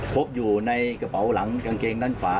พบอยู่ในกระเป๋าหลังกางเกงด้านขวา